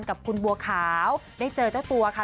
กับคุณบัวขาวได้เจอเจ้าตัวค่ะ